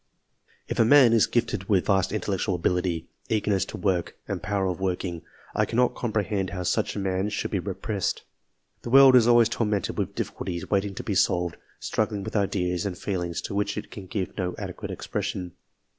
If a man is gifted with vast intellectual ability, eagerness to work, and power of working, I cannot comprehend how ^ mch a man should be repressed. The world is always xrmented with difficulties waiting to be solved struggling ~ dth ideas and feelings, to which it can give no adequate expression.